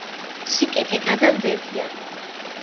სიკეთე გადამდებია